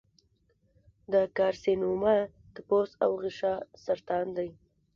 د کارسینوما د پوست او غشا سرطان دی.